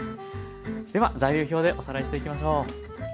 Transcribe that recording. では材料表でおさらいしていきましょう。